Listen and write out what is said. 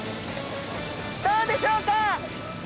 どうでしょうか？